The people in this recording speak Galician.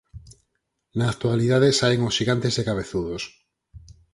Na actualidade saen os xigantes e cabezudos».